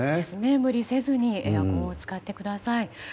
無理せずにエアコンを使ってください。